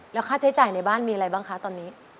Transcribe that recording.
แล้วค่าใช้จ่ายในบ้านมีอะไรบ้างคะตอนนี้